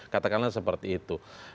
katakanlah seperti itu